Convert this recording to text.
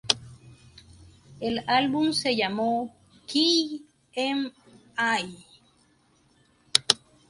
El álbum se llamó Kill 'Em All.